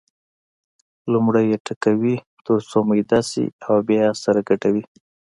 لومړی یې ټکوي تر څو میده شي او بیا یې سره ګډوي.